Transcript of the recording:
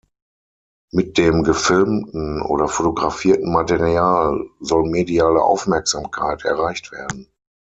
Mit dem gefilmten oder fotografierten Material soll mediale Aufmerksamkeit erreicht werden.